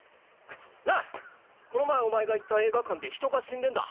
なあこの前お前が行った映画館で人が死んでんだ。